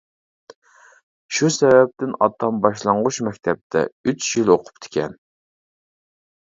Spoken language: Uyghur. شۇ سەدەپتىن ئاتام باشلانغۇچ مەكتەپتە ئۈچ يىل ئوقۇپتىكەن.